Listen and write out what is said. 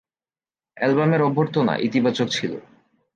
অ্যালবামের অভ্যর্থনা ইতিবাচক ছিল।